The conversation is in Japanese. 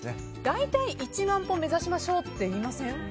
大体１万歩目指しましょうって言いません？